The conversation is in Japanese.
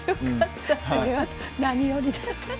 それは何よりです。